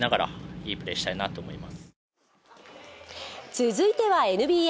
続いてはＮＢＡ。